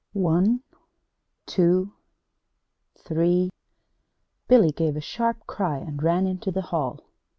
One two three Billy gave a sharp cry and ran into the hall.